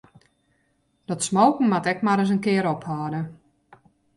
Dat smoken moat ek mar ris in kear ophâlde.